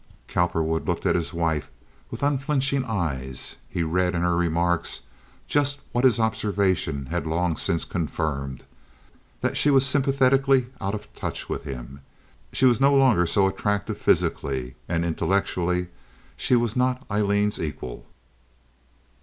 Cowperwood looked at his wife with unflinching eyes. He read in her remarks just what his observation had long since confirmed—that she was sympathetically out of touch with him. She was no longer so attractive physically, and intellectually she was not Aileen's equal.